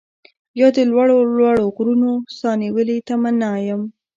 يا د لوړو لوړو غرونو، ساه نيولې تمنا يم